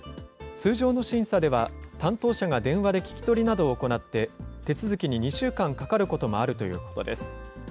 通常の審査では、担当者が電話で聞き取りなどを行って、手続きに２週間かかることもあるということです。